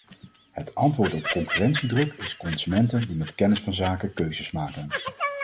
Het antwoord op concurrentiedruk is consumenten die met kennis van zaken keuzes maken.